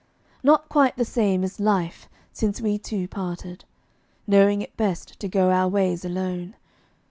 Not quite the same is life, since we two parted, Knowing it best to go our ways alone.